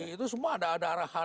itu semua ada arahan